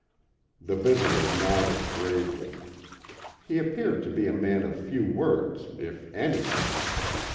The visitor nodded gravely. He appeared to be a man of few words, if any.